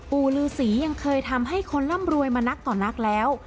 ปู่ลือศรียังเคยทำให้คนร่ำรวยมานักต่อนักแล้ว